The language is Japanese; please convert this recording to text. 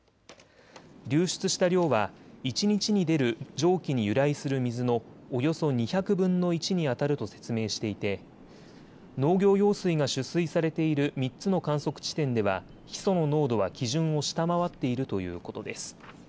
流出した量は一日に出る蒸気に由来する水のおよそ２００分の１にあたると説明していて、農業用水が取水されている３つの観測地点ではヒ素の濃度は基準を下回っているということです。